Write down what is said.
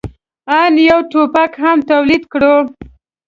آن یو ټوپک هم تولید کړو.